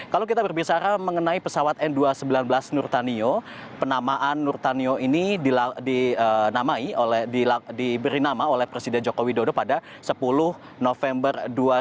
kalau kita berbicara mengenai pesawat n dua ratus sembilan belas nurtanio penamaan nurtanio ini diberi nama oleh presiden joko widodo pada sepuluh november dua ribu dua puluh